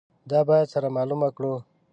دا باید سره معلومه کړو.